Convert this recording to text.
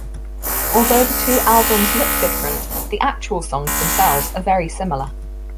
Although the two albums look different, the actual songs themselves are very similar.